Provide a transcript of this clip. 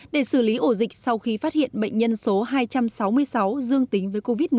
để xử lý ổ dịch sau khi phát hiện bệnh nhân số hai trăm sáu mươi sáu dương tính với covid một mươi chín